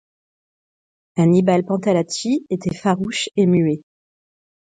Annibal Pantalacci était farouche et muet.